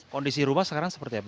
kondisi rumah sekarang seperti apa